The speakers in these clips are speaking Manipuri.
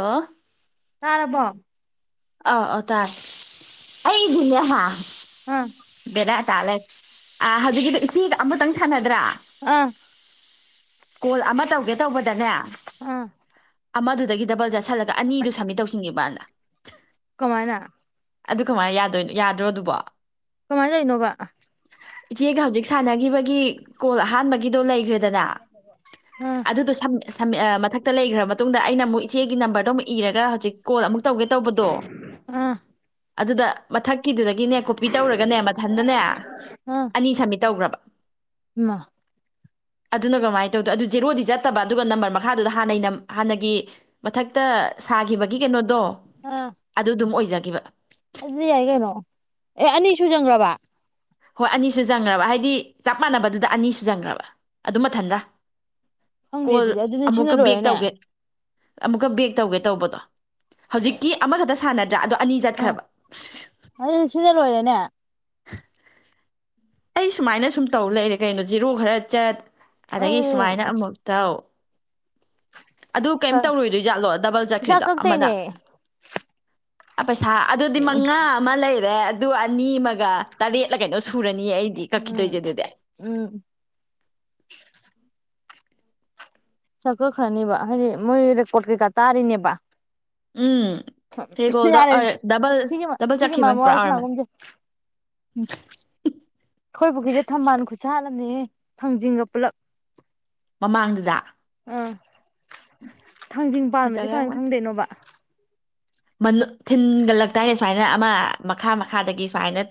ꯑꯣ ꯇꯥꯔꯕꯣ ꯑ ꯑ ꯇꯥꯏ ꯑꯩꯗꯤꯅꯦ ꯍꯥ ꯑꯥ ꯕꯦꯔꯥ ꯇꯥꯂꯦ ꯑ ꯍꯧꯖꯤꯛꯀꯤꯗꯨ ꯏꯐꯨꯟꯗ ꯑꯃꯇ ꯁꯥꯟꯅꯗ꯭ꯔꯥ ꯑꯥ ꯀꯣꯜ ꯑꯃ ꯇꯧꯒꯦ ꯇꯧꯕꯗꯅꯦ ꯑꯥ ꯑꯃꯗꯨꯗꯒꯤ ꯗꯕꯜ ꯆꯠꯁ ꯁꯜꯂ ꯑꯅꯤꯗꯨ ꯁꯝꯃꯤꯠ ꯇꯧꯁꯤꯈꯤꯕꯅ [inaudible] ꯀꯃꯥꯢꯅ ꯑꯗꯨ ꯀꯃꯥꯏꯅ ꯌꯥꯗꯣꯏ ꯌꯥꯗ꯭ꯔꯣ ꯑꯗꯨꯕꯣ ꯀꯃꯥꯏꯇꯧꯏꯅꯣꯕ ꯏꯆꯦꯒ ꯍꯧꯖꯤꯛ ꯁꯥꯟꯅꯈꯤꯕꯒꯤ ꯀꯣꯜ ꯑꯍꯥꯟꯕꯒꯤ ꯒꯤꯗꯣ ꯂꯩꯈ꯭ꯔꯦꯗꯅ ꯑꯥ ꯑꯗꯨꯗꯣ ꯁꯝ ꯁꯝ ꯑ ꯃꯊꯛꯇ ꯂꯩꯈ꯭ꯔꯕ ꯃꯇꯨꯡꯨꯡꯗ ꯑꯩꯅ ꯑꯃꯨꯛ ꯏꯆꯦꯒꯤ ꯅꯝꯕꯔꯗꯣ ꯑꯃꯨꯛ ꯏꯔꯒ ꯍꯧꯖꯤꯛ ꯀꯣꯜ ꯑꯃꯨꯛ ꯇꯧꯒꯦ ꯇꯧꯕꯗꯣ ꯑꯥ ꯑꯗꯨꯗ ꯃꯊꯛꯀꯤꯗꯨꯗꯒꯤꯅꯦ ꯀꯣꯄꯤ ꯇꯧꯔꯒꯅꯦ ꯃꯊꯟꯗꯅꯦ ꯑꯅꯤ ꯁꯃꯤꯠ ꯇꯧꯈ꯭ꯔꯕ ꯏꯃ ꯑꯗꯨꯅ ꯀꯃꯥꯏꯅ ꯇꯧꯗꯣ ꯑꯗꯨ ꯖꯦꯔꯣꯗꯤ ꯆꯠꯇꯕ ꯑꯗꯨꯒ ꯅꯝꯕꯔ ꯃꯈꯥꯗꯨꯗ ꯍꯥꯟꯅꯩꯩ ꯍꯥꯟꯅꯒꯤ ꯃꯊꯛꯇ ꯁꯥꯈꯤꯕꯒꯤ ꯀꯩꯅꯣꯗꯣ ꯑꯥ ꯑꯗꯨ ꯑꯗꯨꯝ ꯑꯣꯏꯖ ꯒꯤꯕ ꯑꯗꯨꯗꯤ ꯌꯥꯏ ꯀꯩꯅꯣ ꯑꯦ ꯑꯅꯤ ꯁꯨ ꯆꯪꯈ꯭ꯔꯕ ꯍꯣꯏ ꯑꯅꯤꯁꯨꯖꯟꯈ꯭ꯔꯕ ꯍꯥꯏꯗꯤ ꯆꯞ ꯃꯥꯟꯅꯕꯗꯨꯗ ꯑꯅꯤꯁꯨꯖꯟꯈ꯭ꯔꯕ ꯑꯗꯨꯝ ꯃꯊꯟꯇ ꯈꯪꯗꯦ ꯑꯗꯨꯗꯤ ꯑꯗꯨꯗꯤ ꯁꯤꯅ ꯂꯣꯏꯔꯦꯅꯦ ꯇꯧꯒꯦ ꯑꯃꯨꯛꯀ ꯕꯦꯛ ꯇꯧꯒꯦ ꯇꯧꯕꯗꯣ ꯍꯧꯖꯤꯛꯇꯤ ꯑꯃꯈꯛꯇ ꯁꯥꯟꯅꯗ꯭ꯔꯥ ꯑꯗꯣ ꯑꯅꯤ ꯎꯝ ꯆꯠꯈ꯭ꯔꯕ ꯑꯗꯨꯗꯤ ꯁꯤꯅ ꯂꯣꯏꯔꯦ [inaudible] ꯑꯩ ꯁꯨꯃꯥꯏꯅ ꯁꯨꯝ ꯇꯧ ꯂꯩꯔꯦ ꯀꯩꯅꯣ ꯖꯤꯔꯣ ꯈꯔ ꯆꯠ ꯑꯗꯒꯤ ꯁꯨꯃꯥꯏꯅ ꯑꯗꯨꯗꯤ ꯑꯃꯨꯛ ꯇꯧ ꯑꯗꯨ ꯀꯩꯝ ꯈꯔ ꯇꯧꯔꯣꯏꯗꯣꯏ ꯖꯥꯠꯂꯣ ꯗꯕꯜ ꯄꯩꯁꯥ ꯆꯠꯈ꯭ꯔꯤꯗꯣ ꯑꯃꯅ ꯀꯛꯇꯣꯏꯅꯦ ꯄꯩꯁꯥ ꯑꯗꯨꯗꯤ ꯃꯉꯥ ꯑꯃ ꯂꯩꯔꯦ ꯑꯗꯨ ꯑꯅꯤ ꯑꯃꯒ ꯇꯔꯦꯠꯂ ꯀꯩꯅꯣ ꯁꯨ ꯑꯩꯗꯤ ꯎꯝ ꯀꯛꯈꯤꯗꯣꯏꯖꯦ ꯑꯗꯨꯗꯤ ꯎꯝ ꯄꯩꯁꯥ ꯀꯛꯈ꯭ꯔꯅꯤꯕ ꯍꯥꯏꯗꯤ ꯃꯣꯏ ꯔꯦꯀꯣꯔꯠ ꯀꯩꯀꯥ ꯇꯥꯔꯤꯅꯦꯕ ꯎꯝ ꯔꯦꯒꯣꯜꯗꯣ ꯌꯥꯔꯦꯁꯦ ꯗꯕꯜ ꯗꯕꯜ ꯁꯤꯒꯤ ꯆꯠꯈꯤꯕ ꯃꯔꯝꯒꯤ ꯄꯨꯔꯥ ꯋꯥꯔꯤ ꯑꯣꯏꯔꯝꯃꯅꯤ ꯁꯥꯟꯅꯒꯨꯝꯁꯦ ꯑꯩꯈꯣꯏ ꯄꯨꯈ꯭ꯔꯤꯁꯦ ꯊꯝꯕꯥꯜ ꯈꯨꯁꯥꯠ ꯑꯝꯅꯦꯍꯦ ꯊꯥꯡꯖꯤꯡꯒ ꯄꯨꯂꯞ ꯃꯃꯥꯡꯗꯨꯗ ꯎꯝ ꯊꯥꯡꯖꯤꯡ ꯄꯥꯟꯕꯁꯦ ꯀꯃꯥꯏ ꯐꯖꯔꯝꯒꯅꯤ ꯈꯪꯗꯣꯏꯅꯣꯕ ꯊꯤꯟꯒꯠꯂꯛꯇꯥꯏꯅꯦ ꯁꯨꯃꯥꯏꯅ ꯑꯃ ꯃꯈꯥ ꯃꯈꯥꯗꯒꯤ ꯁꯨꯃꯥꯏꯅ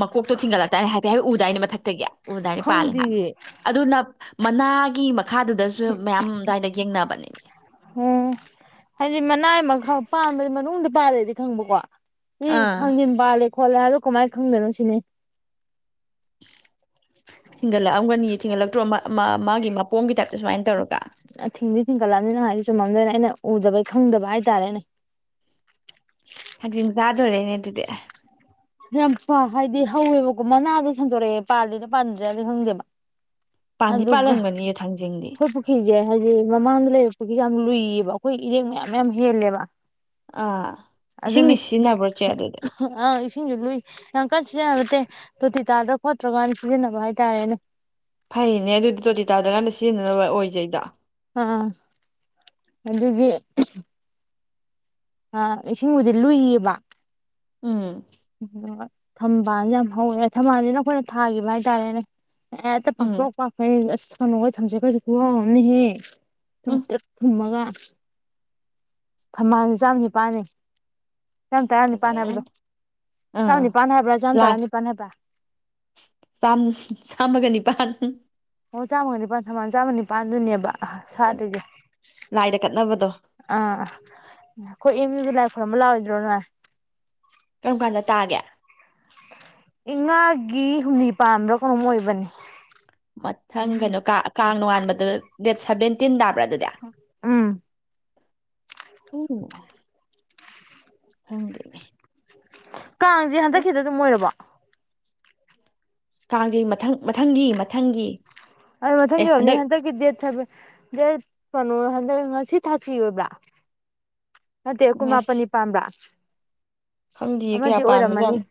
ꯃꯀꯣꯛꯇꯣ ꯊꯤꯡꯒꯠꯂꯛꯇꯥꯏꯅꯦ ꯍꯥꯏꯐꯦꯠ ꯍꯥꯏꯐꯦꯠ ꯗꯥꯥꯏꯅ ꯃꯊꯛꯇꯒꯤ ꯎꯗꯥꯏꯅꯦ ꯄꯥꯜꯂꯦ ꯍꯦꯞ ꯈꯪꯗꯤꯌꯦ ꯑꯗꯨ ꯅꯞ ꯃꯅꯥꯒꯤ ꯃꯈꯥꯗꯨꯗꯁꯨ ꯃꯌꯥꯝ ꯑꯗꯨꯋꯥꯏꯗ ꯌꯦꯡꯅꯕ [inaudible] ꯎꯝ ꯍꯥꯏꯗꯤ ꯃꯅꯥꯏ ꯃꯈ ꯄꯥꯟꯕꯗꯤ ꯃꯅꯨꯡꯗ ꯄꯥꯜꯂꯦꯗꯤ ꯈꯪꯕꯀꯣ ꯏ ꯑꯥ ꯊꯥꯡꯖꯤꯡꯄꯥꯜꯂꯦ ꯈꯣꯠꯂꯛꯑꯒ ꯀꯃꯥꯏꯅ ꯈꯪꯗꯣꯏꯅꯣ ꯁꯤꯅꯦ ꯊꯤꯡꯍꯜꯂꯛꯇ꯭ꯔꯣ ꯃꯥ ꯃꯥ ꯃꯥꯒꯤ ꯃꯄꯣꯝꯒꯤ ꯇꯥꯏꯞ ꯊꯤꯡꯗꯤ ꯊꯤꯡꯒꯠꯂꯑꯝꯅꯤ ꯅꯪꯅ ꯍꯥꯏꯗꯤ ꯆꯨꯝꯃꯝꯗꯣꯏꯅꯦ ꯑꯩꯅ ꯎꯗꯕꯩ ꯈꯪꯗꯕ ꯍꯥꯏꯇꯥꯔꯦꯅꯦ ꯊꯥꯡꯖꯤꯡ ꯆꯥꯗꯧꯔꯦꯅꯦ ꯐꯗꯨꯗꯤ ꯌꯥꯝ ꯍꯥꯏꯗꯤ ꯍꯧꯋꯦꯕꯀꯣ ꯃꯅꯥꯗꯣ ꯁꯟꯗꯣꯔꯛꯑꯦ ꯄꯥꯜꯂꯤꯔ ꯄꯥꯟꯗ꯭ꯔꯤꯔꯗꯤ ꯈꯪꯗꯦꯕ ꯄꯥꯟꯗꯤ ꯑꯗꯨꯒ ꯄꯥꯜꯂꯝꯒꯅꯤꯌꯦ ꯊꯥꯡꯖꯤꯡꯗꯤ ꯑꯩꯈꯣꯏ ꯄꯨꯈ꯭ꯔꯤꯁꯦ ꯍꯥꯏꯗꯤ ꯃꯃꯥꯡꯗ ꯂꯩꯕ ꯄꯨꯈ꯭ꯔꯤꯁꯦ ꯌꯥꯝ ꯂꯨꯏꯌꯦꯕ ꯑꯩꯈꯣꯏ ꯏꯔꯦꯡ ꯃꯌꯥꯝ ꯃꯌꯥꯝ ꯍꯦꯜꯂꯦꯕ ꯑꯥ ꯑꯗꯨꯅ ꯏꯁꯤꯡꯗꯤ ꯁꯤꯖꯤꯟꯅꯕ꯭ꯔꯣ ꯆꯦ ꯑꯗꯨꯗꯤ ꯑꯥ ꯏꯁꯤꯡꯁꯨ ꯂꯨꯏ ꯌꯥꯝ ꯀꯟꯅ ꯁꯤꯖꯤꯟꯅꯕꯠꯇꯦ ꯇꯣꯇꯤ ꯇꯥꯗ꯭ꯔꯥ ꯈꯣꯠꯇ꯭ꯔꯥ ꯀꯥꯟꯗ ꯁꯤꯖꯤꯟꯅꯕ ꯍꯥꯏꯇꯥꯔꯦꯅꯦ ꯐꯩꯅꯦ ꯑꯗꯨꯗꯤ ꯇꯣꯇꯤ ꯇꯥꯗ꯭ꯔꯀꯥꯟꯗ ꯁꯤꯖꯤꯟꯅꯅꯕ ꯑꯣꯏꯖꯩꯗ ꯑꯥ ꯑꯗꯨꯒꯤ ꯑ ꯏꯁꯤꯡꯕꯨꯗꯤ ꯂꯨꯏꯌꯦꯕ ꯎꯝ ꯎꯝ ꯊꯝꯕꯥꯜꯁꯦ ꯌꯥꯝ ꯍꯧꯋꯦ ꯊꯝꯕꯥꯜꯁꯤꯅ ꯑꯩꯈꯣꯏꯅ ꯊꯥꯈꯤꯕ ꯍꯥꯏꯇꯥꯔꯦꯅꯦ ꯍꯦꯛꯇ ꯎꯝ ꯄꯥꯛꯊꯣꯡ ꯄꯥꯈꯩ ꯑꯁ ꯊꯅꯣꯒ ꯊꯝꯖꯦꯠꯀꯁꯦ ꯈꯨꯋꯥꯡ ꯑꯃꯅꯤꯍꯦ ꯎꯝ ꯊꯨꯝꯇ꯭ꯔꯤꯛ ꯊꯨꯝꯃꯒ ꯊꯝꯕꯥꯜꯁꯨ ꯆꯥꯝꯃ ꯅꯤꯄꯥꯜꯅꯤ ꯆꯝꯇꯔꯥꯅꯤꯄꯥꯟ ꯍꯥꯕꯗꯣ ꯐꯖꯔꯝꯒꯅꯤ ꯑꯥ ꯆꯥꯝꯅꯤ ꯄꯥꯟ ꯍꯥꯏꯕ꯭ꯔꯥ ꯆꯥꯝ ꯂꯥꯏ ꯇꯔꯥꯅꯤꯄꯥꯟ ꯍꯥꯏꯕ꯭ꯔꯥ ꯆꯥꯝ ꯆꯥꯝꯃꯒ ꯅꯤꯄꯥꯥꯟ ꯑꯣ ꯆꯥꯝꯃꯒ ꯅꯤꯄꯥꯥꯟ ꯊꯝꯕꯥꯜ ꯆꯥꯝꯃ ꯅꯤꯄꯥꯟꯗꯨꯅꯦꯕ ꯑ ꯁꯥꯠꯂꯤꯁꯦ ꯂꯥꯏꯗ ꯀꯠꯅꯕꯗꯣ ꯑ ꯑꯩꯈꯣꯏ ꯑꯦꯝ ꯌꯨ ꯗ ꯂꯥꯛ ꯈꯣꯏꯔꯝꯕ ꯂꯥꯛ ꯑꯣꯏꯗ꯭ꯔꯣ ꯅꯣꯏ ꯀꯔꯝ ꯀꯥꯟꯗ ꯇꯥꯒꯦ ꯏꯉꯥꯒꯤ ꯍꯨꯝꯅꯤ ꯄꯥꯟꯕꯝꯕ꯭ꯔꯥ ꯀꯩꯅꯣꯝ ꯑꯣꯏꯕꯅꯤ ꯃꯊꯪ ꯀꯩꯅꯣ ꯀꯥꯡ ꯀꯥꯡ ꯅꯣꯡꯉꯥꯟ ꯗꯦꯠ ꯁꯚꯦꯟꯇꯤꯟ ꯇꯥꯕ꯭ꯔꯥ ꯑꯗꯨꯗꯤ ꯎꯝ ꯎꯎꯝ ꯈꯪꯗꯦꯅꯦ ꯀꯥꯡꯁꯦ ꯑꯦ ꯍꯟꯗꯛꯀꯤꯗ ꯑꯗꯨꯝ ꯑꯣꯏꯔꯕꯣ ꯀꯥꯡꯒꯤ ꯃꯊꯪ ꯃꯊꯪꯒꯤ ꯃꯊꯪꯒꯤ ꯑꯩ ꯑꯦ ꯃꯊꯪꯒꯤ ꯑꯣꯏꯔꯝꯅꯤ ꯍꯟꯗꯛ ꯍꯟꯗꯛꯀꯤ ꯗꯦꯠ ꯁꯚꯦꯟ ꯗꯦꯠ ꯀꯩꯅꯣ ꯉꯁꯤ ꯊꯥꯁꯤ ꯑꯣꯏꯕ꯭ꯔꯥ ꯅꯠꯇꯦ ꯑꯁ ꯀꯨꯟꯃꯥꯄꯟꯅꯤ ꯄꯥꯟꯕꯥ ꯈꯪꯗꯦꯌꯦ ꯀꯌꯥ ꯄꯥꯟꯕꯖꯥꯠꯅꯣ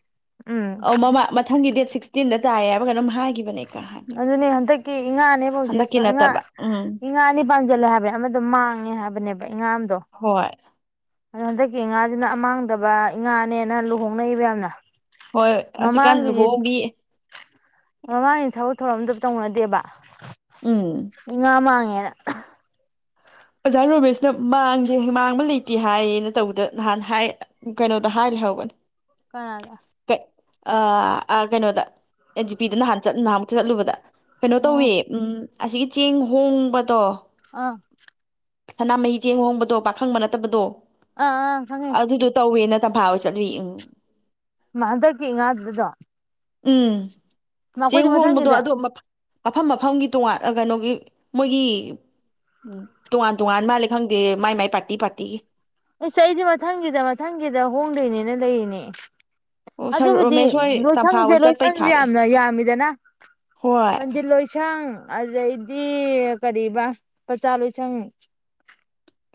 ꯎꯝ ꯑꯧ ꯃꯃꯥ ꯃꯊꯪꯒꯤ ꯗꯦꯠ ꯁꯤꯛꯁꯇꯤꯟꯗ ꯇꯥꯏ ꯍꯥꯏꯕ ꯀꯩꯅꯣꯝ ꯍꯥꯏ ꯑꯗꯨꯅꯦ ꯍꯟꯗꯛꯀꯤ ꯏꯉꯥꯅꯦꯕ ꯍꯟꯗꯛꯀꯤ ꯍꯧꯖꯤꯛꯥꯁꯦ ꯏꯉꯥ ꯅꯠꯇꯕ ꯎꯝ ꯏꯉꯥ ꯑꯅꯤ ꯄꯥꯟꯁꯤꯜꯂꯦ ꯍꯥꯏꯕꯅꯦ ꯑꯃꯗꯣ ꯃꯥꯡꯉꯦ ꯍꯥꯏꯕꯅꯦꯕ ꯏꯉꯥ ꯑꯝꯗꯣ ꯍꯣꯏ ꯑꯗꯣ ꯍꯟꯗꯛꯀꯤ ꯏꯉꯥꯁꯤꯅ ꯃꯥꯡꯗꯕ ꯏ ꯉꯥꯅꯦꯅ ꯂꯨꯍꯣꯡꯅꯩꯕ ꯌꯥꯝꯅ ꯍꯣꯏ ꯍꯧꯖꯤꯛꯀꯥꯟ ꯃꯃꯥꯡꯒꯤꯗꯤ ꯂꯨꯍꯣꯡꯕꯤ ꯃꯃꯥꯡꯒꯤ ꯊꯕꯛ ꯊꯧꯔꯃꯗ ꯇꯧꯅꯗꯦꯕ ꯎꯝ ꯏꯉꯥ ꯃꯥꯡꯉꯦꯅ ꯑꯣꯖꯥ ꯔꯣꯃꯦꯁꯅ ꯃꯥꯡꯗꯦ ꯃꯥꯡꯕ ꯂꯩꯇꯦ ꯍꯥꯏꯌꯦꯅ ꯇꯧꯕꯗ ꯅꯍꯥꯟ ꯍꯥꯏ ꯀꯅꯣꯗ ꯍꯥꯏ ꯂꯩꯍꯧꯕꯅꯦ ꯀꯅꯥꯗꯥ ꯀꯩ ꯑꯥ ꯑꯥ ꯀꯅꯣꯗ ꯑꯦ ꯖꯤ ꯄꯤꯗ ꯅꯍꯥꯟ ꯆꯠ ꯅꯍꯥꯟ ꯃꯨꯛ ꯆꯠꯂꯨꯕꯗ ꯀꯅꯣ ꯑꯣ ꯇꯧꯋꯦ ꯎꯝ ꯑꯁꯤꯒꯤ ꯆꯦꯡ ꯍꯣꯡꯕꯗꯣ ꯑꯥ ꯁꯅꯥꯃꯍꯤ ꯆꯦꯡ ꯍꯣꯡꯕꯗꯣ ꯄꯥꯈꯪꯕ ꯅꯠꯇꯕꯗꯣ ꯑꯥ ꯑꯥ ꯈꯪꯉꯦ ꯑꯗꯨꯗꯣ ꯇꯧꯋꯦꯅ ꯇꯝꯐꯥ ꯍꯣꯏ ꯆꯠꯂꯨꯏ ꯎꯝ ꯃꯥ ꯍꯟꯗꯛꯀꯤ ꯉꯥꯗꯨꯗ ꯗꯣ ꯎꯝ ꯃꯥ ꯆꯦꯡ ꯑꯈꯣꯏꯗꯤ ꯍꯣꯡꯕꯗꯣ ꯃꯊꯪꯒꯤꯗ ꯑꯗꯣ ꯃꯐꯝ ꯃꯐꯝꯒꯤ ꯇꯣꯉꯥꯟ ꯀꯅꯣꯒꯤ ꯃꯣꯏꯒꯤ ꯇꯣꯉꯥꯟ ꯇꯣꯉꯥꯟ ꯃꯥꯜꯂꯦ ꯈꯪꯗꯦ ꯃꯥꯏ ꯃꯥꯏ ꯄꯥꯔꯇꯤ ꯄꯥꯔꯇꯤꯒꯤ ꯑꯁ ꯑꯩꯗꯤ ꯃꯊꯪꯒꯤꯗ ꯃꯊꯪꯒꯤꯗ ꯍꯣꯡꯗꯣꯏꯅꯦꯅ ꯂꯩꯔꯤꯅꯦ ꯑꯣ ꯁꯔ ꯑꯗꯨꯕꯨꯗꯤ ꯔꯣꯃꯦꯁ ꯍꯣꯏ ꯇꯝꯐꯥ ꯂꯣꯏꯁꯪꯖꯦ ꯍꯣꯏ ꯆꯠꯄꯩ ꯂꯣꯏꯁꯪꯖꯦ ꯊꯥꯔꯛꯑꯦ ꯌꯥꯝꯅ ꯌꯥꯝꯃꯤꯗꯅ ꯍꯣꯏ ꯄꯟꯗꯤꯠ ꯂꯣꯏꯁꯪ ꯑꯗꯩꯗꯤ ꯀꯔꯤꯕ ꯄꯆꯥ ꯂꯣꯏꯁꯪ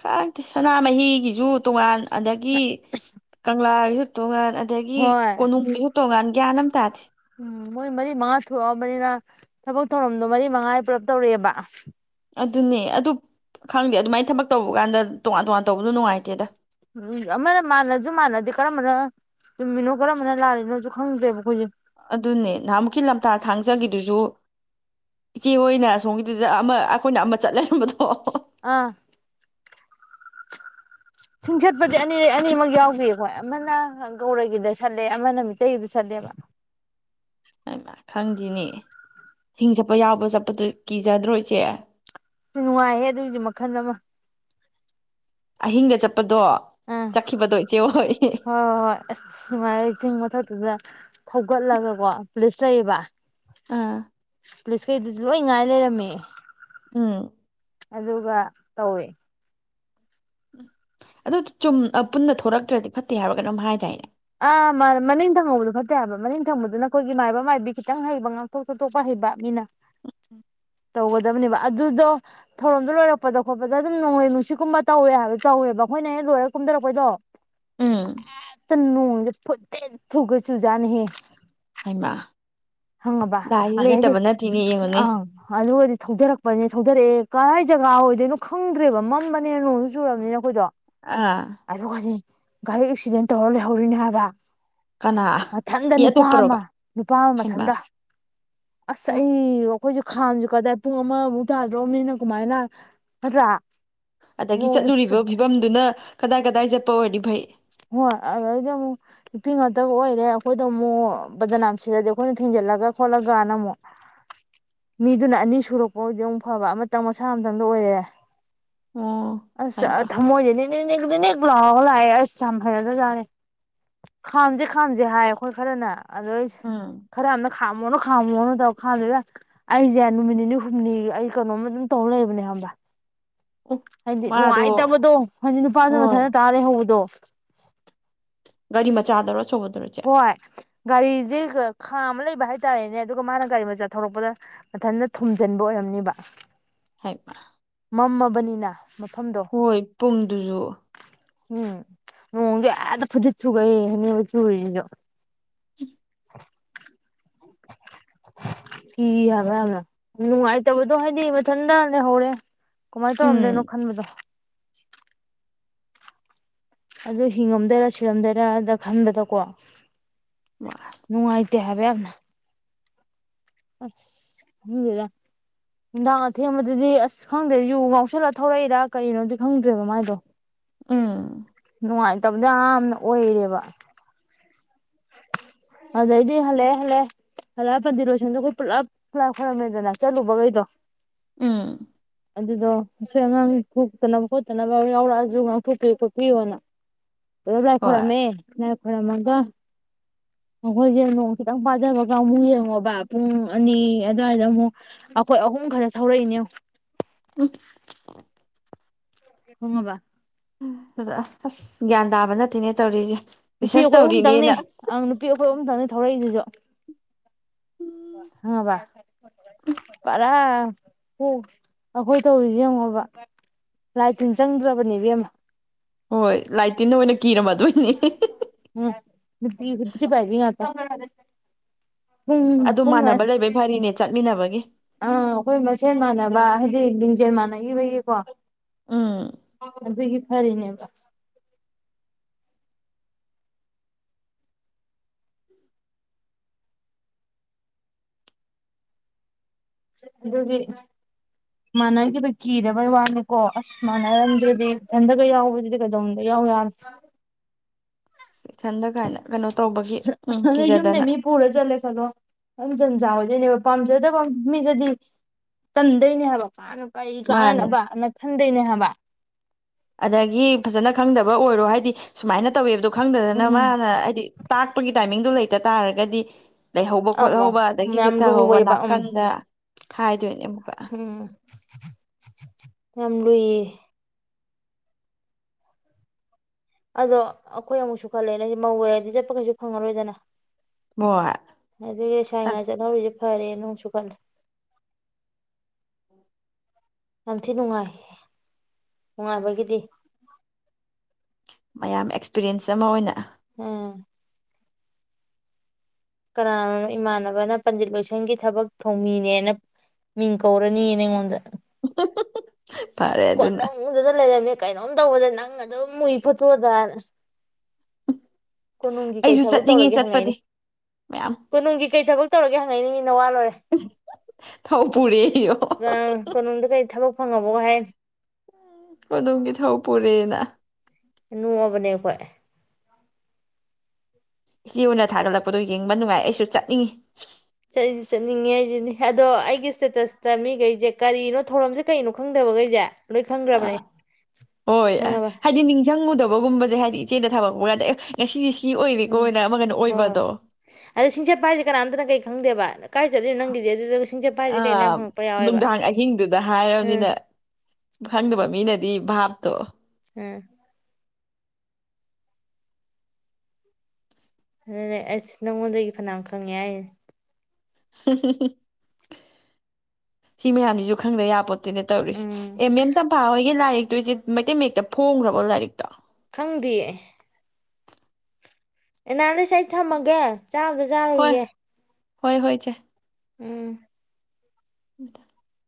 ꯈꯪꯇꯦ ꯁꯅꯥꯃꯍꯤꯒꯤꯖꯨ ꯇꯣꯉꯥꯟꯅ ꯑꯗꯒꯤ ꯀꯪꯂꯥꯒꯤꯖꯨ ꯇꯣꯉꯥꯟ ꯑꯗꯒꯤ ꯍꯣꯏ ꯀꯣꯅꯨꯡꯒꯤꯖꯨ ꯇꯣꯉꯥꯟ ꯒ꯭ꯌꯥꯟ ꯃ ꯇꯥꯗꯦ ꯎꯝ ꯃꯣꯏ ꯃꯔꯤ ꯃꯉꯥ ꯊꯣꯛꯑꯕꯅꯤꯅ ꯊꯕꯛ ꯊꯧꯔꯝꯗꯣ ꯃꯔꯤ ꯃꯉꯥ ꯄꯨꯂꯞ ꯇꯧꯔꯛꯑꯦꯕ ꯑꯗꯨꯅꯦ ꯑꯗꯨ ꯈꯪꯗꯦ ꯑꯗꯨꯃꯥꯏ ꯊꯕꯛ ꯇꯧꯕ ꯀꯥꯟꯗ ꯇꯣꯉꯥꯟ ꯇꯣꯉꯥꯟ ꯇꯧꯕꯗꯣ ꯅꯨꯡꯉꯥꯏꯇꯦꯗ ꯑꯃꯅ ꯃꯥꯟꯅꯖꯨ ꯃꯥꯟꯅꯗꯦ ꯀꯔꯝꯕꯅ ꯆꯨꯝꯃꯤꯅꯣ ꯀꯔꯝꯕꯅ ꯂꯥꯔꯤꯅꯣꯖꯨ ꯈꯪꯗ꯭ꯔꯦꯕ ꯑꯩꯈꯣꯏꯖꯦ ꯑꯗꯨꯅꯦ ꯅꯍꯥꯟꯃꯨꯛꯀꯤ ꯂꯝꯇꯥ ꯊꯥꯡꯖꯒꯤꯗꯨꯖꯨ ꯏꯆꯦ ꯍꯣꯏꯅ ꯑꯁꯣꯝꯒꯤꯗꯨꯖꯨ ꯑꯃ ꯑꯩꯈꯣꯏꯅ ꯑꯃ ꯆꯠ ꯂꯩꯔꯝꯕꯗꯣ ꯑꯥ ꯁꯤꯡ ꯁꯠꯄꯖꯦ ꯑꯅꯤꯔꯛ ꯑꯅꯤꯃꯛ ꯌꯥꯎꯒꯤ ꯑꯈꯣꯏ ꯑꯃꯅ ꯒꯧꯔꯒꯤꯗ ꯁꯠꯂꯦ ꯑꯃꯅ ꯃꯤꯇꯩꯒꯤꯗ ꯁꯠꯂꯦꯕ ꯍꯩꯃꯥ ꯈꯪꯗꯦꯅꯦ ꯍꯤꯡ ꯆꯠꯄ ꯌꯥꯎꯕ ꯆꯠꯄꯗꯨ ꯀꯤꯖꯗ꯭ꯔꯣ ꯏꯆꯦ ꯅꯨꯡꯉꯥꯏꯍꯦ ꯑꯗꯨꯒꯤꯖꯨ ꯃꯈꯜ ꯑꯃ ꯑꯍꯤꯡꯒ ꯆꯞ ꯑꯥ ꯍꯣꯏ ꯍꯣꯏ ꯍꯣꯏ ꯑꯁ ꯅꯨꯉꯥꯏꯔꯦ ꯆꯤꯡ ꯃꯊꯛꯇꯨꯗ ꯊꯧꯒꯠꯂꯒꯀꯣ ꯄꯨꯂꯤꯁ ꯂꯩꯌꯦꯕ ꯑꯥ ꯄꯨꯂꯤꯁꯀꯩꯗꯨꯁꯨ ꯂꯣꯏ ꯉꯥꯏ ꯂꯩꯔꯝꯃꯦ ꯎꯝ ꯑꯗꯨꯒ ꯇꯧꯋꯦ ꯑꯗꯣ ꯆꯨꯝ ꯑ ꯄꯨꯟꯅ ꯊꯣꯔꯛꯇ꯭ꯔꯗꯤ ꯐꯠꯇꯦ ꯍꯥꯏꯕ꯭ꯔ ꯀꯩꯅꯣꯝ ꯍꯥꯏꯗꯥꯏꯅꯦ ꯑꯥ ꯃꯥꯅꯦ ꯃꯅꯤꯡ ꯊꯪꯍꯧꯕꯗꯣ ꯐꯠꯇꯦ ꯍꯥꯏꯕ ꯃꯅꯤꯡ ꯊꯪꯕꯗꯨꯅ ꯑꯩꯈꯣꯏꯒꯤ ꯃꯥꯏꯕ ꯃꯥꯏꯕꯤ ꯈꯤꯇꯪ ꯍꯩꯕ ꯉꯥꯛꯊꯣꯛ ꯆꯊꯣꯛꯄ ꯍꯩꯕ ꯃꯤꯅ [inaudible] ꯇꯧꯒꯗꯕꯅꯦꯕ ꯑꯗꯨꯗꯣ ꯊꯧꯔꯝꯗꯣ ꯂꯣꯏꯔꯛꯄꯗ ꯈꯣꯠꯄꯗ ꯑꯗꯨꯝ ꯅꯣꯡꯂꯩ ꯅꯨꯡꯁꯤꯠꯀꯨꯝꯕ ꯇꯧꯋꯦ ꯍꯥꯏꯕ ꯇꯧꯋꯦꯕ ꯑꯩꯈꯣꯏꯅ ꯍꯦꯛ ꯂꯣꯏꯔꯒ ꯀꯨꯝꯗꯔꯛꯄꯩꯗꯣ ꯎꯝ ꯎꯝ ꯅꯣꯡꯖꯦ ꯐꯨꯗꯤꯠ ꯊꯨꯒꯩ ꯆꯨꯖꯥꯅꯤꯍꯦ ꯍꯩꯏꯃꯥ ꯍꯪꯉꯕ ꯑꯗꯩꯗꯤ ꯌꯦꯡꯉꯨꯅꯦ ꯑꯪ ꯑꯗꯨꯒꯗꯤ ꯊꯧꯗꯔꯛꯄꯅꯦ ꯊꯧꯗꯔꯛꯑꯦ ꯀꯔꯥꯏ ꯖꯒꯥ ꯑꯣꯏꯗꯣꯏꯅꯣ ꯈꯪꯗ꯭ꯔꯦꯕ ꯃꯝꯕꯅꯦ ꯅꯣꯡꯁꯨ ꯆꯨꯔꯕꯅꯤꯅ ꯑꯩꯈꯣꯏꯗꯣ ꯑꯥ ꯑꯗꯨꯒꯗꯤ ꯒꯥꯔꯤ ꯑꯦꯛꯁꯤꯗꯦꯟ ꯇꯧꯔ ꯂꯩꯍꯧꯔꯤꯅꯦ ꯍꯥꯏꯕ ꯀꯅꯥ ꯃꯊꯟꯗ ꯃꯤ ꯑꯇꯣꯞꯄꯔꯣꯕ ꯅꯨꯄꯥꯑꯃ ꯅꯨꯄꯥ ꯑꯃ ꯍꯩꯃꯥ ꯊꯟꯗ ꯑꯁꯁ ꯑꯣ ꯑꯩ ꯑꯩꯈꯣꯏꯁꯦ ꯈꯥꯝꯁꯨ ꯀꯗꯥꯏ ꯄꯨꯡ ꯑꯃꯃꯨꯛ ꯇꯥꯗ꯭ꯔꯣꯑꯕꯅꯤꯅ ꯀꯃꯥꯏꯅ ꯅꯠꯇ꯭ꯔꯥ ꯑꯗꯒꯤ ꯅꯣꯡ ꯆꯠꯂꯨꯔꯤꯕ ꯐꯤꯕꯝꯗꯨꯅ ꯀꯗꯥꯏ ꯀꯗꯥꯏ ꯆꯠꯄ ꯑꯣꯏꯔꯗꯤ ꯐꯩ ꯍꯣꯏ ꯑꯗꯨꯗꯩꯗꯤ ꯑꯃꯨꯛ ꯅꯨꯄꯤ ꯉꯥꯛꯇꯒ ꯑꯣꯏꯔꯦ ꯑꯩꯈꯣꯏꯗꯣ ꯑꯃꯨꯛ ꯕꯗꯅꯥꯝ ꯁꯤꯂꯗꯤ ꯑꯩꯈꯣꯏꯅ ꯊꯦꯡꯖꯤꯜꯂꯒ ꯈꯣꯠꯂꯒꯅ ꯑꯃꯨꯛ ꯃꯤꯗꯨꯅ ꯑꯅꯤ ꯁꯨꯔꯛꯄ ꯑꯣꯏꯗꯤ ꯑꯃꯨꯛ ꯐꯕ ꯑꯃꯇꯪ ꯃꯁꯥ ꯑꯃꯇꯪꯒ ꯑꯣꯏꯔꯦ ꯑꯣ ꯑꯁ ꯍꯩꯃꯥ ꯊꯝꯃꯣꯏꯗꯅꯤ ꯅꯤ ꯅꯤ ꯅꯤꯛ ꯂꯥꯎꯔꯒ ꯂꯥꯛꯑꯦ ꯍꯥꯏꯁ ꯌꯥꯝ ꯐꯖꯗ ꯖꯥꯠꯅꯦ ꯈꯥꯝꯁꯦ ꯈꯥꯝꯁꯦ ꯍꯥꯏꯌꯦ ꯑꯩꯈꯣꯏ ꯈꯔꯅ ꯑꯗꯨꯗꯩ ꯎꯝ ꯈꯔ ꯑꯝꯅ ꯈꯥꯝꯃꯣꯅ ꯈꯥꯝꯃꯣꯅ ꯇꯧ ꯈꯥꯝꯗꯨꯗ ꯑꯩꯁꯦ ꯅꯨꯃꯤꯠ ꯅꯤꯅꯤ ꯍꯨꯝꯅꯤ ꯑꯩ ꯀꯩꯅꯣꯝꯃ ꯑꯗꯨꯝ ꯇꯧ ꯂꯩꯕꯅꯦ ꯈꯪꯕ ꯑꯣ ꯍꯥꯏꯗꯤ ꯃꯥꯗꯣ ꯅꯨꯡꯉꯥꯏꯇꯕꯗꯣ ꯍꯥꯏꯗꯤ ꯅꯨꯄꯥꯁꯨ ꯍꯣꯏ ꯃꯊꯟꯗ ꯇꯥꯔ ꯂꯩꯍꯧꯕꯗꯣ ꯒꯥꯔꯤ ꯃꯆꯥꯗꯔꯣ ꯑꯆꯧꯕꯗꯔꯣ ꯏꯆꯦ ꯍꯣꯏ ꯒꯥꯔꯤꯁꯤ ꯈꯥꯝꯃ ꯂꯩꯕ ꯍꯥꯏꯇꯥꯔꯦꯅꯦ ꯑꯗꯨꯒ ꯃꯥꯅ ꯒꯥꯔꯤ ꯃꯆꯥ ꯊꯧꯔꯛꯄꯗ ꯃꯊꯟꯇ ꯊꯨꯝꯖꯤꯟꯕ ꯑꯣꯏꯔꯝꯅꯤꯕ ꯍꯩꯃꯥ ꯃꯝ ꯃꯕꯅꯤꯅ ꯍꯣꯏ ꯄꯨꯡꯗꯨꯁꯨ ꯎꯝ ꯅꯣꯡꯁꯦ ꯑꯗ ꯐꯨꯗꯤꯠ ꯐꯩꯒꯩꯅꯤ ꯆꯨꯔꯤꯁꯤꯁꯨ [inaudible] ꯀꯤ ꯍꯥꯏꯕ ꯌꯥꯝꯅ ꯅꯨꯡꯉꯥꯏꯇꯕꯗꯣ ꯍꯥꯏꯗꯤ ꯃꯊꯟꯇ ꯂꯩꯍꯧꯔꯦ ꯀꯃꯥꯏꯅ ꯇꯧꯔꯝꯗꯣꯏꯅꯣ ꯎꯝ ꯈꯟꯕꯗꯣ ꯑꯗꯨ ꯍꯤꯡꯉꯝꯗꯣꯏꯔ ꯁꯤꯔꯝꯗꯣꯏꯔꯅ ꯈꯟꯕꯗꯀꯣ ꯋꯥ ꯇꯦ ꯍꯥꯏꯕ ꯌꯥꯝꯅ ꯑꯁ ꯂꯨꯒ ꯅꯨꯡꯗꯥꯡ ꯑꯊꯦꯝꯕꯗꯨꯗꯤ ꯑꯁ ꯈꯪꯗ꯭ꯔꯦ ꯌꯨ ꯉꯥꯎꯁꯜꯂ ꯊꯧꯂꯛꯏꯔꯥ ꯀꯔꯤꯅꯣꯗꯤ ꯈꯪꯗ꯭ꯔꯦꯕ ꯃꯥꯏꯗꯣ ꯑꯪ ꯇꯝ ꯌꯥꯝꯅ ꯑꯣꯏꯔꯦꯕ ꯑꯗꯩꯗꯤ ꯍꯜꯂꯛꯑꯦ ꯍꯜꯂꯛꯑꯦ ꯍꯜꯂꯛꯑ ꯀꯟꯗꯤꯔ ꯂꯣꯏꯁꯟꯗꯣ ꯑꯩꯈꯣꯏ ꯄꯨꯜꯂꯞꯂꯞ ꯈꯣꯏꯔꯝꯃꯦꯗꯅ ꯆꯠꯂꯨꯕꯈꯩꯗꯣ ꯎꯝ ꯑꯗꯨꯗꯣ ꯑꯁꯣꯏ ꯑꯉꯥꯡ ꯊꯣꯛꯇꯅꯕ ꯈꯣꯠꯇꯅꯕ ꯑꯃ ꯌꯥꯎꯔꯛꯑꯁꯨ ꯉꯥꯛꯊꯣꯛꯄꯤꯌꯨ ꯈꯣꯠꯄꯤꯌꯣꯅ ꯑꯗ ꯂꯥꯏ ꯍꯣꯏ ꯈꯣꯔꯝꯃꯦ ꯑꯣꯏꯔꯝꯃꯣꯏꯗ ꯑꯩꯈꯣꯏꯁꯦ ꯅꯣꯡ ꯈꯤꯇꯪ ꯄꯥꯗꯕꯒ ꯑꯃꯨꯛ ꯌꯦꯡꯉꯣꯕ ꯄꯨꯡ ꯑꯅꯤ ꯑꯗꯨꯋꯥꯏꯗ ꯑꯃꯨꯛ ꯑꯩꯈꯣꯏ ꯑꯍꯨꯝ ꯈꯛꯇ ꯊꯧꯔꯛꯏꯅꯤ ꯌꯦꯡꯉꯨ ꯎꯝ [unintelligible] ꯑꯗꯨꯗ ꯑꯁ ꯒ꯭ꯌꯥꯟ ꯇꯥꯕ ꯅꯠꯇꯦꯅꯦ ꯇꯧꯔꯤꯁꯦ ꯅꯨꯄꯤ ꯔꯤꯁꯔꯁ ꯑꯩꯈꯣꯏ ꯑꯍꯨꯝꯇꯪꯅꯦ ꯇꯧꯔꯤꯅꯦꯅ ꯑꯪ ꯅꯨꯄꯤ ꯑꯩꯈꯣꯏ ꯑꯍꯨꯝꯇꯪꯅꯦ ꯊꯧꯔꯛꯏꯗꯨꯁꯣ ꯈꯪꯉꯕ ꯄꯔꯥ ꯑꯣ ꯑꯩꯈꯣꯏ ꯇꯧꯔꯤꯁꯦ ꯌꯦꯡꯉꯣꯕ ꯂꯥꯏ ꯇꯤꯟ ꯆꯪꯗ꯭ꯔꯕꯅꯦ ꯏꯕꯦꯝꯃ ꯍꯣꯏ ꯂꯥꯏꯇꯤꯟꯅ ꯑꯣꯏꯅ ꯀꯤꯔꯝꯃꯗꯣꯏꯅꯦ ꯎꯝ ꯅꯨꯄꯤ ꯒꯨꯟ ꯊꯨꯒꯥꯏꯕꯤ ꯉꯥꯛꯇ ꯑꯗꯨ ꯄꯨꯡ ꯄ ꯑꯥ ꯃꯥꯟꯅꯕ ꯂꯩꯕꯩ ꯐꯔꯤꯅꯦ ꯆꯠꯃꯤꯟꯅꯕꯒꯤ ꯑꯩꯈꯣꯏ ꯃꯁꯦꯟ ꯃꯥꯟꯅꯕ ꯍꯥꯏꯗꯤ ꯂꯤꯡꯖꯦꯜꯃꯥꯟꯅꯈꯤꯕꯒꯤꯀꯣ ꯎꯝ ꯑꯗꯨꯒꯤ ꯐꯔꯤꯅꯦꯕ ꯑꯗꯨꯒꯤ ꯃꯥꯟꯅꯈꯤꯕ ꯀꯤꯗꯕꯩ ꯋꯥꯅꯤꯀꯣ ꯑꯁ ꯃꯥꯟꯅꯔꯝꯗ꯭ꯔꯗꯤ ꯏꯊꯟꯗꯒ ꯌꯥꯎꯕꯗꯨꯗꯤ ꯀꯩꯗꯧꯅꯨꯡꯗ ꯌꯥꯎ ꯌꯥꯔꯣꯏ ꯏꯊꯟꯗ ꯀꯥꯏꯅ ꯀꯩꯅꯣ ꯇꯧꯕꯒꯤ ꯎꯝ ꯀꯤꯖꯗꯅ ꯍꯝꯖꯟꯖꯥꯟ ꯑꯣꯏꯗꯣꯏꯅꯦꯕ ꯄꯥꯝꯖꯗꯕ ꯃꯤꯗꯗꯤ ꯇꯟꯗꯣꯏꯅꯦ ꯍꯥꯏꯕ ꯀꯔꯤ ꯃꯥꯅꯤ ꯀꯥꯟꯅꯅꯕ ꯍꯥꯏꯅ ꯈꯟꯗꯣꯏꯅꯦꯕ ꯑꯗꯒꯤ ꯐꯖꯅ ꯈꯪꯗꯕ ꯑꯣꯏꯔꯣ ꯍꯥꯏꯗꯤ ꯁꯨꯃꯥꯏꯅ ꯇꯧꯋꯦꯕꯗꯣ ꯈꯪꯗꯗꯅ ꯃꯥꯅ ꯍꯥꯏꯗꯤ ꯇꯥꯛꯄꯒꯤ ꯇꯥꯏꯃꯤꯡ ꯑꯗꯨ ꯂꯩꯇ ꯇꯥꯔꯒꯗꯤ ꯂꯩꯍꯧꯕ ꯑꯃꯨꯛ ꯈꯣꯠꯍꯧꯕ ꯑꯗꯒꯤ ꯌꯥꯝ ꯆꯤꯠꯊꯍꯧꯕ ꯂꯨꯋꯦꯕ ꯎꯝ ꯅꯥꯀꯟꯗ ꯍꯥꯏꯗꯣꯏꯅꯦ ꯑꯃꯨꯛꯀ ꯎꯝ ꯌꯥꯝ ꯂꯨ ꯌꯦ ꯑꯗꯣ ꯑꯩꯈꯣꯏ ꯑꯃꯨꯛꯁꯨ ꯈꯜꯂꯦ ꯑꯗꯩꯗꯤ ꯃꯧ ꯑꯣꯏꯔꯗꯤ ꯆꯠꯄ ꯀꯩꯁꯨ ꯐꯪꯉꯔꯣꯏꯗꯅ ꯍꯣꯏ ꯑꯗꯨꯒꯤ ꯂꯩꯁꯥꯔꯤꯉꯩ ꯆꯠꯍꯧꯔꯤꯁꯦ ꯐꯔꯦꯅ ꯑꯃꯨꯛꯁꯨ ꯈꯜꯂꯦ ꯌꯥꯝ ꯊꯤ ꯅꯨꯡꯉꯥꯏ ꯅꯨꯡꯉꯥꯏꯕꯒꯤꯗꯤ ꯃꯌꯥꯝ ꯑꯦꯛꯁꯄꯤꯔꯤꯌꯦꯟꯁ ꯑꯃ ꯑꯣꯏꯅ ꯎꯝ ꯀꯅꯥꯅꯣꯅꯣ ꯏꯃꯥꯟꯅꯕꯅ ꯄꯟꯖꯤꯠ ꯂꯣꯏꯁꯪꯒꯤ ꯊꯕꯛ ꯊꯧꯃꯤꯅꯦꯅ ꯃꯤꯡ ꯀꯧꯔꯅꯤꯅ ꯑꯩꯉꯣꯟꯗ ꯎꯝꯍꯝ ꯍꯝ ꯍꯝ ꯀꯅꯨꯡꯗꯇ ꯂꯩꯔꯝꯃꯦ ꯀꯩꯅꯣꯝ ꯇꯧꯕꯗ ꯅꯪ ꯑꯗꯨꯝ ꯎꯏ ꯐꯣꯠꯇꯣꯗꯅ ꯀꯣꯅꯨꯡꯒꯤ ꯀꯩ ꯑꯩꯁꯨ ꯊꯕꯛ ꯆꯠꯅꯤꯡꯉꯤ ꯇꯧꯔꯒꯦ ꯆꯠꯄꯗꯤ ꯍꯪꯉꯛꯏꯅꯦ ꯃꯌꯥꯝ ꯀꯣꯅꯨꯡꯒꯤ ꯀꯩ ꯊꯕꯛ ꯇꯧꯒ ꯍꯪꯉꯛꯏꯅꯤꯅꯦ ꯋꯥꯂꯣꯏꯔꯦ ꯊꯧ ꯄꯨꯔꯦꯌꯣ ꯀꯩꯅꯨꯡꯗ ꯀꯔꯤ ꯊꯕꯛ [unintelligible] ꯀꯗꯣꯝꯒꯤ ꯊꯧ ꯄꯨꯔꯦꯅ ꯅꯣꯡꯑꯕꯅꯦ ꯑꯩꯈꯣꯏ ꯏꯆꯦ ꯍꯣꯏꯅ ꯊꯥꯒꯠꯂꯛꯄꯗꯣ ꯌꯦꯡꯕ ꯅꯨꯡꯉꯥꯏ ꯑꯩꯁꯨ ꯆꯠꯅꯤꯡꯉꯤ ꯆꯠ ꯆꯠꯅꯤꯡꯉꯦ ꯍꯥꯏꯖꯤꯅꯤ ꯑꯗꯣ ꯑꯩꯒꯤ ꯇꯦꯇꯁꯇ ꯃꯤꯈꯩꯁꯦ ꯀꯔꯤꯅꯣ ꯊꯧꯔꯝꯁꯦ ꯀꯩꯅꯣ ꯈꯪꯗꯕꯈꯩꯖꯦ ꯑ ꯍꯣꯏ ꯈꯪꯉꯕ ꯍꯥꯏꯗꯤ ꯅꯤꯡꯖꯡꯉꯨꯗꯕ ꯕꯒꯨꯝꯕꯖꯦ ꯍꯥꯏꯗꯤ ꯏꯆꯦꯗ ꯊꯃꯛꯄ ꯌꯥꯗꯦ ꯉꯁꯤ ꯎꯝ ꯍꯣꯏ ꯍꯣꯏ ꯑꯁ ꯁꯤꯡꯆꯞꯄ ꯍꯥꯏꯖꯦ ꯀꯅꯥꯝꯇꯅ ꯀꯩ ꯈꯪꯗꯦꯕ ꯀꯥꯏ ꯆꯠꯂꯤꯅꯣ ꯅꯪꯒꯤꯖꯦ ꯑꯗꯨ ꯑ ꯅꯨꯡꯗꯥꯡ ꯑꯍꯤꯡꯗꯨꯗ ꯎꯝ ꯍꯥꯏꯔꯝꯅꯤꯅ ꯈꯪꯗꯕ ꯃꯤꯅꯗꯤ ꯏ ꯚꯥꯞꯇꯣ ꯎꯝ ꯑꯗꯨꯅꯦ ꯑꯁ ꯅꯪꯉꯣꯟꯗꯒꯤ ꯐꯩꯅꯥꯝ ꯈꯪꯉꯦ ꯍꯥꯏꯔꯤ ꯁꯤ ꯃꯌꯥꯝꯁꯤꯖꯨ ꯈꯪꯗ ꯌꯥꯄꯣꯠ ꯇꯦꯅꯦ ꯇꯧꯔꯤꯁꯦ ꯎꯝ ꯑꯦ ꯃꯦꯝ ꯇꯝꯐꯥ ꯍꯣꯏꯒꯤ ꯂꯥꯏꯔꯤꯛ ꯇꯨꯗꯤ ꯃꯩꯇꯩ ꯃꯌꯦꯛꯇ ꯐꯣꯡꯒ꯭ꯔꯕꯣ ꯂꯥꯏꯔꯤꯛꯇꯣ ꯈꯪꯗꯤꯌꯦ ꯑꯦꯅꯥꯂꯤꯁ ꯑꯩ ꯊꯝꯃꯒꯦ ꯆꯥꯛ ꯑꯝꯇ ꯍꯣꯏ ꯆꯥꯔꯨꯒꯤꯒꯦ ꯍꯣꯏ ꯍꯣꯏ ꯏꯆꯦ ꯎꯝ [unintelligible]